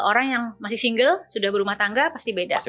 orang yang masih single sudah berumah tangga pasti beda